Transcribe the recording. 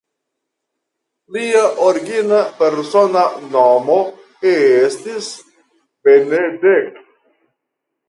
Lia origina persona nomo estis "Benedek".